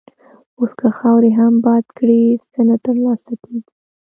اوس که خاورې هم باد کړې، څه نه تر لاسه کېږي.